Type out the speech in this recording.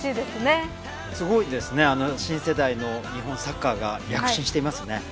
すごいですね新世代の日本サッカーが躍進していますね。